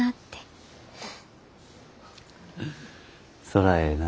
そらええな。